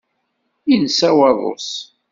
Insa waḍu-s.